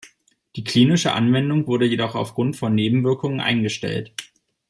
Die klinische Anwendung wurde jedoch auf Grund von Nebenwirkungen eingestellt.